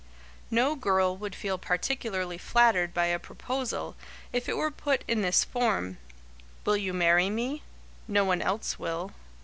No girl would feel particularly flattered by a proposal, if it were put in this form: "Will you marry me? No one else will."